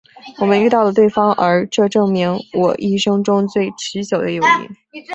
我们遇到了对方而这证明是我一生中最持久的友谊。